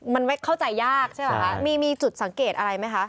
มันไม่เข้าใจยากใช่ป่ะคะมีจุดสังเกตอะไรไหมคะ